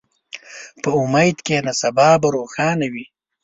په امید کښېنه، سبا به روښانه وي.